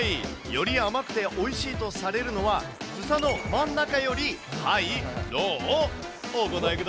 より甘くておいしいとされるのは、房の真ん中よりハイ？